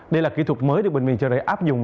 đây là kỹ thuật mới được bệnh viện chợ rẫy áp dụng